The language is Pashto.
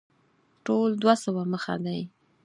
ټول دوه سوه مخه دی.